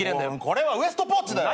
これはウエストポーチだよ。